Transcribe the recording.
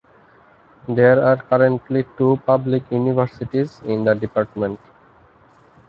There are currently two public universities in the department.